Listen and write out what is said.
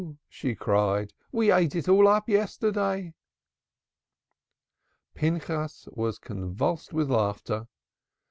she cried. 'We ate it all up yesterday.'" Pinchas was convulsed with laughter.